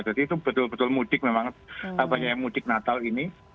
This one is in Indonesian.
jadi itu betul betul mudik memang mudik natal ini